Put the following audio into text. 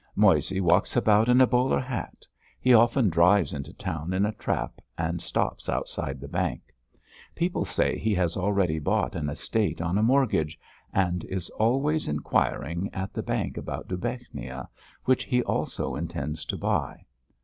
Moissey walks about in a bowler hat; he often drives into town in a trap and stops outside the bank. People say he has already bought an estate on a mortgage, and is always inquiring at the bank about Dubechnia, which he also intends to buy.